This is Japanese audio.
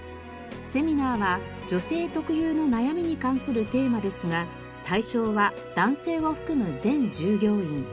セミナーは女性特有の悩みに関するテーマですが対象は男性を含む全従業員。